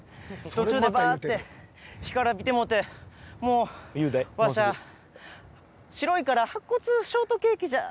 途中でバーッて干からびてもうて「もうわしは白いから白骨ショートケーキじゃ」。